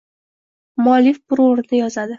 Muallif bir oʻrinda yozadi